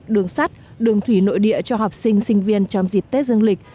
đường sắt đường thủy nội địa cho học sinh sinh viên trong dịp tết dương lịch